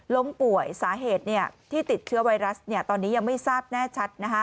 ล้มป่วยสาเหตุที่ติดเชื้อไวรัสตอนนี้ยังไม่ทราบแน่ชัด